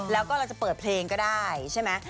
แล้วก็เราจะเปิดเพลงก็ได้ใช่ไหม